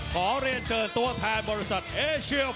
ขอเรียนเชิญตัวแทนบริษัทเอเชียล